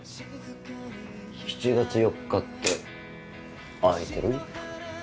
７月４日って空いてる？